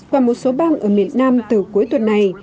và một số bang ở miền nam từ cuối tuần này